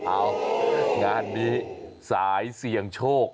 อ้าวนั้นสายเสี่ยงโชค